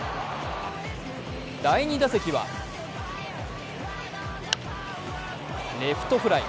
第２打席はレフトフライ。